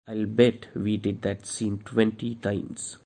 I'll bet we did that scene twenty times.